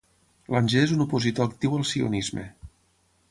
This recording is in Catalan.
Langer és un opositor actiu al Sionisme.